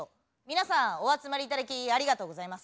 皆さんお集まり頂きありがとうございます。